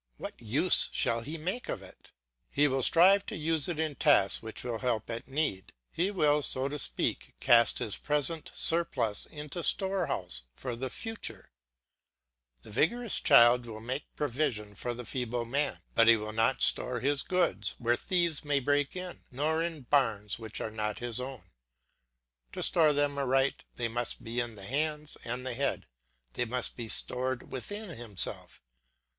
What use shall he make of it? He will strive to use it in tasks which will help at need. He will, so to speak, cast his present surplus into the storehouse of the future; the vigorous child will make provision for the feeble man; but he will not store his goods where thieves may break in, nor in barns which are not his own. To store them aright, they must be in the hands and the head, they must be stored within himself.